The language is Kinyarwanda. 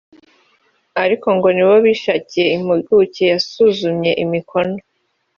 ariko ngo nibo bishakiye impuguke yasuzumye imikono